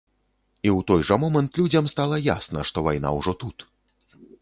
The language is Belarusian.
І ў той жа момант людзям стала ясна, што вайна ўжо тут.